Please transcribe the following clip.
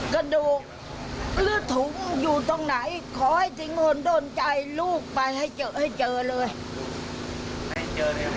กระดูกหรือถุงอยู่ตรงไหนขอให้ถึงคนโดนใจลูกไปให้เจอให้เจอเลย